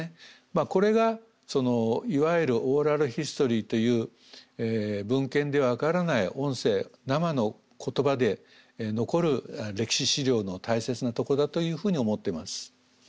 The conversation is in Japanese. これがいわゆるオーラルヒストリーという文献では分からない音声生の言葉で残る歴史史料の大切なとこだというふうに思ってます。